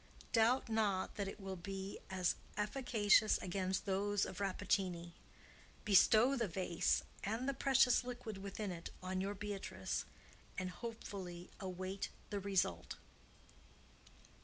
Doubt not that it will be as efficacious against those of Rappaccini. Bestow the vase, and the precious liquid within it, on your Beatrice, and hopefully await the result."